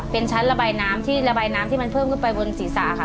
เป็นชั้นระบายน้ำที่มันเพิ่มขึ้นไปบนศีรษะค่ะ